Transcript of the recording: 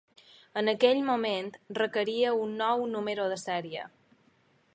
En aquell moment requeria un nou número de sèrie.